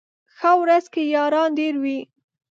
ښه ورځ کي ياران ډېر وي